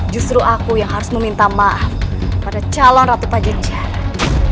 justru aku yang harus meminta maaf pada kalon ratu pajajaran